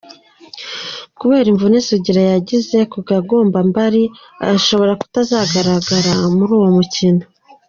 Kubera imvune Sugira yagize ku kagombambari, ashobora kutazagaragara muri uwo mukino.